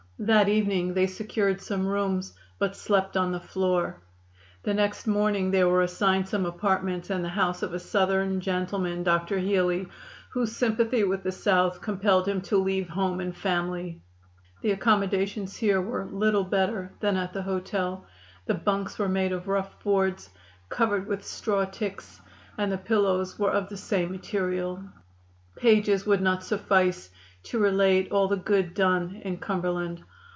That evening they secured some rooms, but slept on the floor. The next morning they were assigned some apartments in the house of a Southern gentleman, Dr. Healy, whose sympathy with the South compelled him to leave home and family. The accommodations here were little better than at the hotel. The bunks were made of rough boards, covered with straw ticks, and the pillows were of the same material. Pages would not suffice to relate all the good done in Cumberland.